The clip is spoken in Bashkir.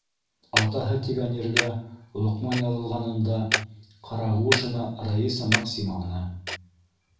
Атаһы тигән ергә Лоҡман яҙылғанында - Ҡарағужина Раиса Максимовна.